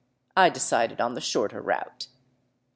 I decided on the shorter route.